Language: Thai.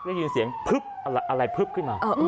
ได้ยินเสียงพึบอะไรพึบขึ้นมา